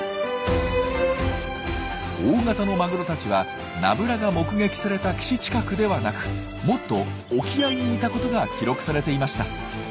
大型のマグロたちはナブラが目撃された岸近くではなくもっと沖合にいたことが記録されていました。